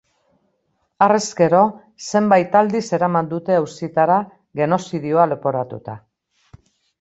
Harrezkero, zenbait aldiz eraman dute auzitara, genozidioa leporatuta.